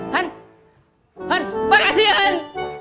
han han makasih han